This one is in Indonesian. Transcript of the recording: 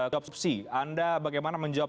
jobsubsi anda bagaimana menjawab